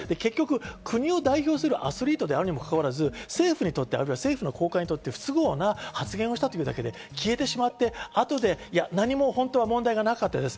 国を代表するアスリートであるにもかかわらず、政府にとってあるいは高官にとって不都合な発言をしたというだけで消えてしまって、後で何も問題がなかったです。